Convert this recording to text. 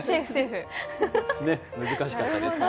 難しかったです。